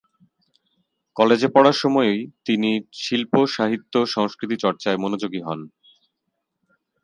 কলেজে পড়ার সময়ই তিনি শিল্প-সাহিত্য-সংস্কৃতি চর্চায় মনোযোগী হন।